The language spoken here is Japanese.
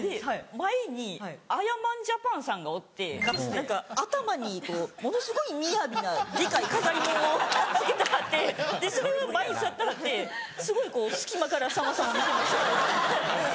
前にあやまんＪＡＰＡＮさんがおって頭にものすごいみやびなデカい飾り物をつけてはってそれが前に座ってはってすごい隙間からさんまさんを見てました。